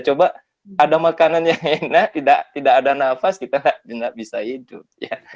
coba ada makanan yang enak tidak ada nafas kita tidak bisa hidup